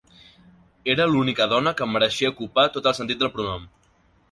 Era l'única dona que mereixia ocupar tot el sentit del pronom.